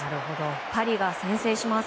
パリが先制します。